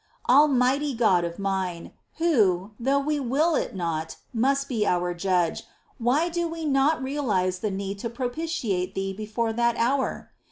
' 4. Almighty God of mine, Who, though we will it not, must be our Judge, why do we not realise the need to propitiate Thee before that hour